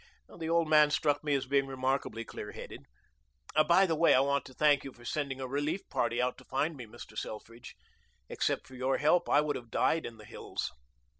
The old man struck me as being remarkably clear headed. By the way, I want to thank you for sending a relief party out to find me, Mr. Selfridge. Except for your help I would have died in the hills."